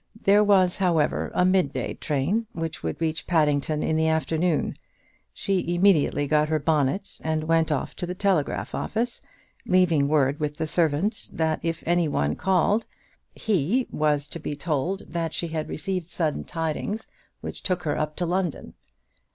There was, however, a mid day train which would reach Paddington in the afternoon. She immediately got her bonnet and went off to the telegraph office, leaving word with the servant, that if any one called "he" was to be told that she had received sudden tidings which took her up to London.